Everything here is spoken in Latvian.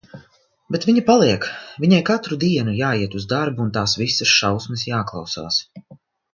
Bet viņa paliek. Viņai katru dienu jāiet uz darbu un "tās visas šausmas jāklausās".